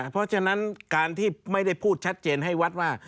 เพราะฉะนั้นการที่ไม่ได้พูดชัดเจนให้วัดว่า